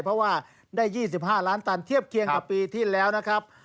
เพราะว่าได้๒๕ล้านตันเทียบเคียงกับปีที่แล้วนะครับ